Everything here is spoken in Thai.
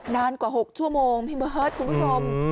นานกว่า๖ชั่วโมงพี่เบิร์ตคุณผู้ชม